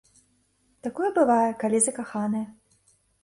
Такое бывае, калі закаханы.